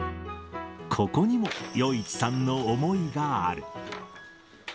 ここにも余一さんの思いがある。